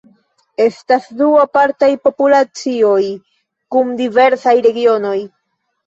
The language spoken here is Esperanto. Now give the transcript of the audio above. Estas du apartaj populacioj kun diversaj regionoj.